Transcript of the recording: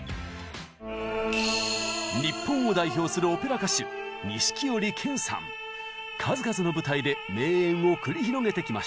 日本を代表する数々の舞台で名演を繰り広げてきました。